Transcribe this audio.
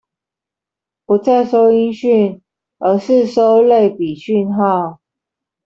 不再收音訊而是收類比訊號